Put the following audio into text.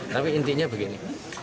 tapi intinya begini